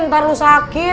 ntar lu sakit